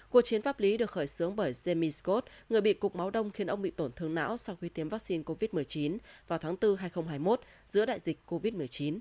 cuộc chiến pháp lý được khởi xướng bởi jamesco người bị cục máu đông khiến ông bị tổn thương não sau khi tiêm vaccine covid một mươi chín vào tháng bốn hai nghìn hai mươi một giữa đại dịch covid một mươi chín